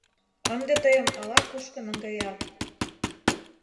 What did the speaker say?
Ынде тыйым ала-кушко наҥгаят.